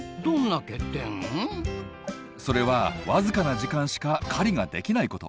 それは僅かな時間しか狩りができないこと。